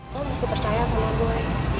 lo mesti percaya sama gue